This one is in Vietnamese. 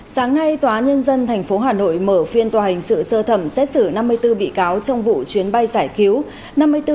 sáng nay tòa nhân dân tp hà nội mở phiên tòa hình sự sơ thẩm xét xử năm mươi bốn bị cáo trong vụ chuyến bay giải cứu